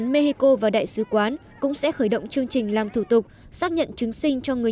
mexico và đại sứ quán cũng sẽ khởi động chương trình làm thủ tục xác nhận chứng sinh cho người